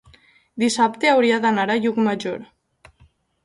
Dissabte hauria d'anar a Llucmajor.